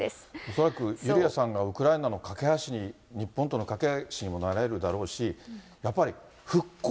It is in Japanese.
恐らくユリアさんがウクライナの懸け橋に日本との懸け橋にもなれるだろうし、やっぱり復興、